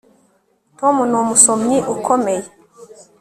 Tom numusomyi ukomeye